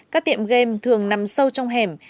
các tiệm game thường nằm sâu trong hẻm